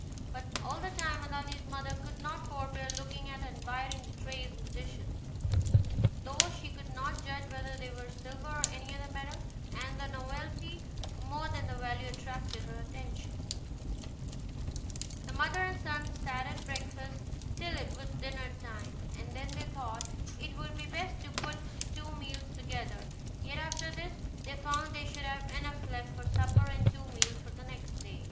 But all the time Aladdin's mother could not forbear looking at and admiring the tray and dishes, though she could not judge whether they were silver or any other metal, and the novelty more than the value attracted her attention. The mother and son sat at breakfast till it was dinner time, and then they thought it would be best to put the two meals together; yet after this they found they should have enough left for supper, and two meals for the next day.